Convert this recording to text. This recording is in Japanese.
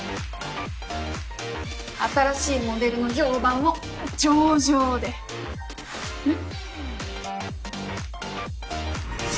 新しいモデルの評判も上々でねっ。